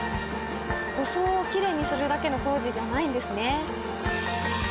装をきれいにするだけの工事じゃないんですね。